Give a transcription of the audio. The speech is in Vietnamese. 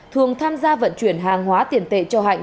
thường tham gia vận chuyển hàng hóa tiền tệ cho hạnh